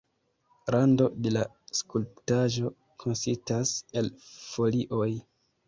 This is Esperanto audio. Rando de la skulptaĵo konsistas el folioj.